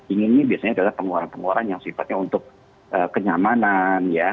ingin ini biasanya adalah pengeluaran pengeluaran yang sifatnya untuk kenyamanan ya